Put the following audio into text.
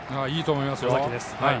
いいと思いますよ。